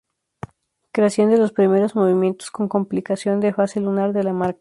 Creación de los primeros movimientos con complicación de fase lunar de la marca.